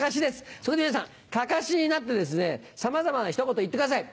そこで皆さんかかしになってさまざまなひと言を言ってください。